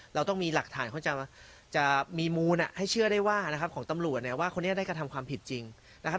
เราต้องมีหลักฐานเขาจะมีมูลให้เชื่อได้ว่านะครับของตำรวจเนี่ยว่าคนนี้ได้กระทำความผิดจริงนะครับ